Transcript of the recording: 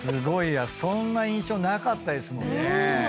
そんな印象なかったですもんね。